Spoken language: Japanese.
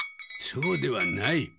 そうではない。